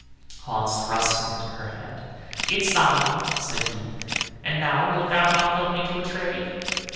Hans thrust it into her hand. "It's thine," said he, "and now wilt thou not help me to a trade?"